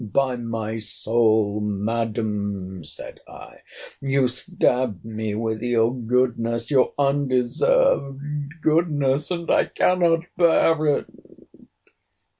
By my soul, Madam, said I, you stab me with your goodness—your undeserved goodness! and I cannot bear it!